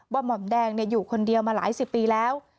หม่อมแดงอยู่คนเดียวมาหลายสิบปีแล้ว